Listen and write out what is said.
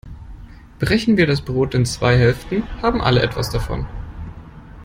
Brechen wir das Brot in zwei Hälften, haben alle etwas davon.